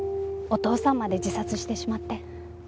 お父さんまで自殺してしまって。